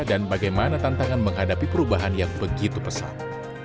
dan bagaimana tantangan menghadapi perubahan yang begitu pesat